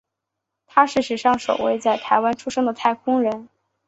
他是史上首位在台湾出生的太空人。